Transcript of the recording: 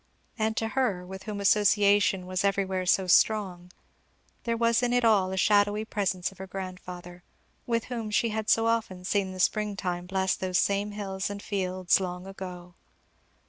And to her, with whom association was everywhere so strong, there was in it all a shadowy presence of her grandfather, with whom she had so often seen the spring time bless those same hills and fields long ago.